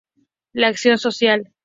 La acción social.